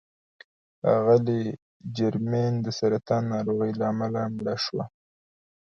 اغلې جرمین د سرطان ناروغۍ له امله مړه شوه.